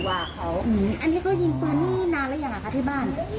อันนี้เค้ายิงปืนนี่นานแล้วอย่างไรคะที่บ้าน